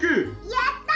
やった！